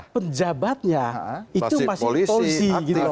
tapi penjabatnya itu masih polisi